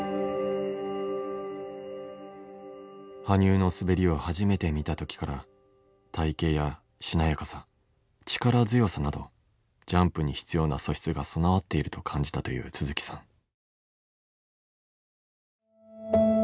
羽生の滑りを初めて見た時から体型やしなやかさ力強さなどジャンプに必要な素質が備わっていると感じたという都築さん。